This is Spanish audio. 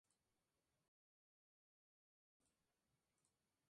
Con esa maniobra tan imprudente, se jugó el pellejo